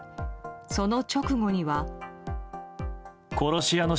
その直後には。